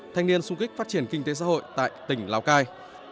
thanh niên sung kích phát triển kinh tế xã hội tại tỉnh lào cai